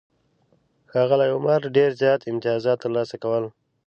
ښاغلي عمر ډېر زیات امتیازات ترلاسه کول.